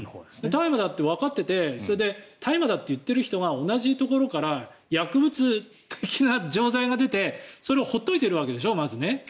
大麻だとわかっていて大麻だと言っている人が同じところから薬物的錠剤が出てそれを放っておいているわけでしょ、まずね。